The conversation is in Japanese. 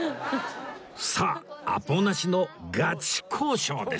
さあアポなしのガチ交渉です